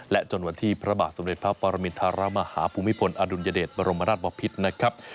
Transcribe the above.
จนวันที่พระบาทสมเด็จพระปรมินทรมาฮาภูมิพลอดุลยเดชบรมราชบพิษนะครับ